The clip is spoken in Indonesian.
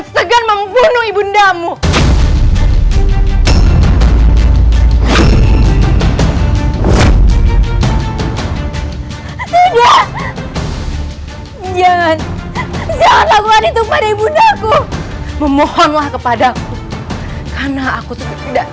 sampai jumpa di video selanjutnya